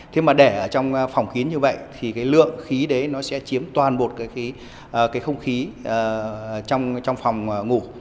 thế mà để ở trong phòng kín như vậy thì cái lượng khí đấy nó sẽ chiếm toàn bộ cái không khí trong phòng ngủ